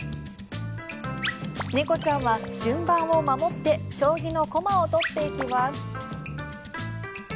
猫ちゃんは順番を守って将棋の駒を取っていきます。